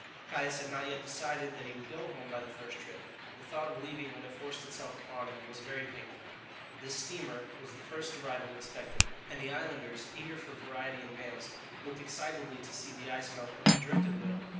Caius had not yet decided that he would go home by the first trip; the thought of leaving, when it forced itself upon him, was very painful. This steamer was the first arrival expected, and the islanders, eager for variety and mails, looked excitedly to see the ice melt or be drifted away.